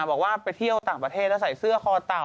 บอกว่าไปเที่ยวต่างประเทศแล้วใส่เสื้อคอเต่า